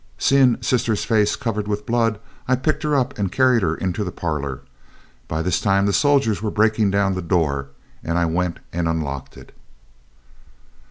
Seeing sister's face covered with blood, I picked her up and carried her into the parlor. By this time the soldiers were breaking down the door, and I went and unlocked it."